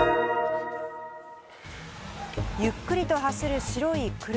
ゆっくりと走る白い車。